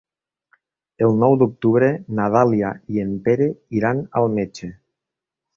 El nou d'octubre na Dàlia i en Pere iran al metge.